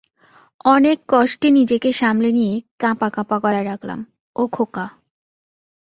অনেক কষ্টে নিজেকে সামলে নিয়ে কাঁপা-কাঁপা গলায় ডাকলাম, ও খোকা!